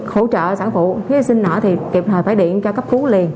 hỗ trợ sản phụ khi sinh nở thì kịp thời phải điện cho cấp cứu liền